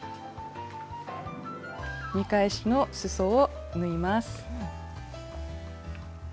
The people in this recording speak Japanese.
見返しのすそを縫います。